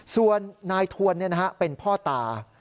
ส่วนนายทวนเป็นพ่อตา